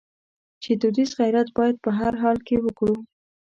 چې دودیز غیرت باید په هر حال کې وکړو.